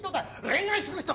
恋愛する人。